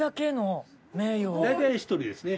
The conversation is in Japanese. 大体１人ですね。